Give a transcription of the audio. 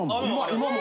今も。